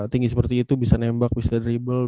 tinggi seperti itu bisa nembak bisa drible